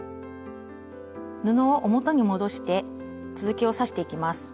布を表に戻して続きを刺していきます。